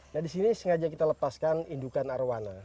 nah di sini sengaja kita lepaskan indukan arwana